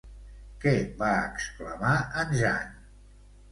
Què va exclamar en Jan?